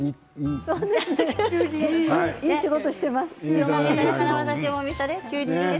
いい仕事をしていますね。